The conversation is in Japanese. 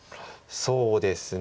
そうですね。